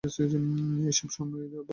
এসময় এরা বাসা বানায় ও ডিম পাড়ে।